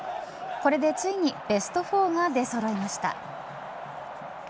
これでついにベスト４が出揃いました。